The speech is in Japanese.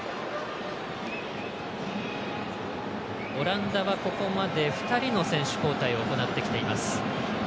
オランダは、ここまで２人の選手交代を行ってきています。